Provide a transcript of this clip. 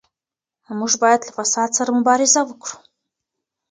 موږ بايد له فساد سره مبارزه وکړو.